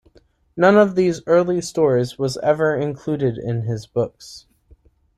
None of these early stories was ever included in his books.